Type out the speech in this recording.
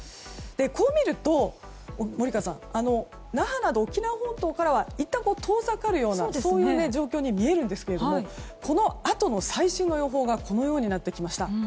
こう見ると、森川さん那覇など沖縄本島からはいったん遠ざかるような状況に見えますがこのあとの最新の予報がこのようになってきました。